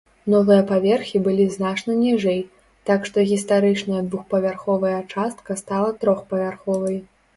Новыя паверхі былі значна ніжэй, так што гістарычная двухпавярховая частка стала трохпавярховай.